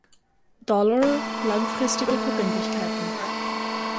Dollar langfristige Verbindlichkeiten.